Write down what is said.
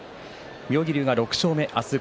妙義龍は６勝目。